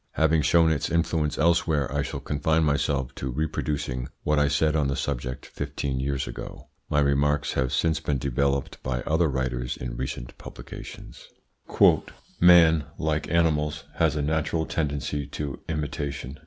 Having shown its influence elsewhere, I shall confine myself to reproducing what I said on the subject fifteen years ago. My remarks have since been developed by other writers in recent publications. "Man, like animals, has a natural tendency to imitation.